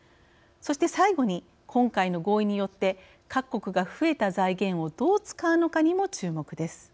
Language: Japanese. そして最後に今回の合意によって、各国が増えた財源をどう使うのかにも注目です。